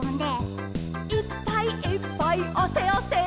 「いっぱいいっぱいあせあせ」